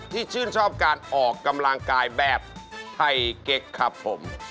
ชื่นชอบการออกกำลังกายแบบไทยเก๊กครับผม